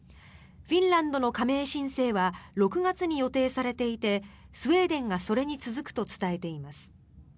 フィンランドの加盟申請は６月に予定されていてスウェーデンがそれに続くと伝えています。